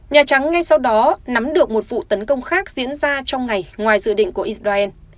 nhà trắng ngay sau đó nắm được một vụ tấn công khác diễn ra trong ngày ngoài dự định của israel